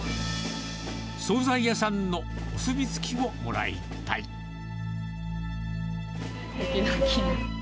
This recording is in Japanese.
総菜屋さんのお墨付きをもらどきどき。